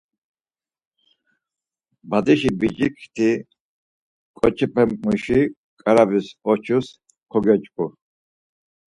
Badişi biç̌ikti ǩoçepe muşi ǩaravis oçus kogyoç̌ǩu.